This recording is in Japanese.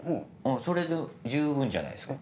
それで十分じゃないですか。